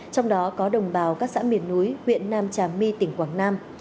trong đó có đồng bào các xã miền núi huyện nam trà my tỉnh quảng nam